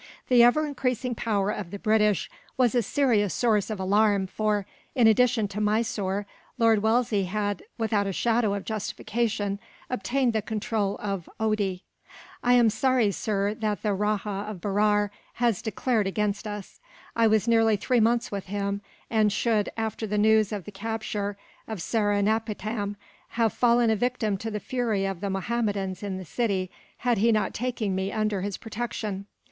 The ever increasing power of the British was a serious source of alarm for, in addition to Mysore, Lord Wellesley had, without a shadow of justification, obtained the control of Oude. "I am sorry, sir, that the Rajah of Berar has declared against us. I was nearly three months with him; and should, after the news of the capture of Seringapatam, have fallen a victim to the fury of the Mohammedans in the city, had he not taken me under his protection.